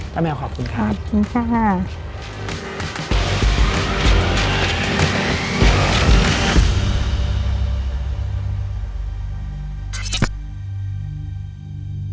ป้าแมวขอบคุณครับขอบคุณค่ะขอบคุณค่ะ